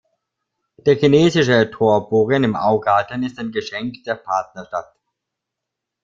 Der chinesische Torbogen im Augarten ist ein Geschenk der Partnerstadt.